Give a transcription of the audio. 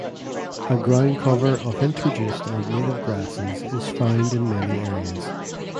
A ground cover of introduced and native grasses is found in many areas.